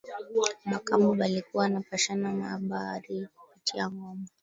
Ba kambo balikuwa napashana ma abari kupitia ngoma